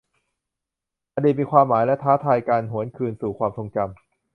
อดีตมีความหมายและท้าทายการหวนคืนสู่ความทรงจำ